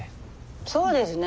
そうですね。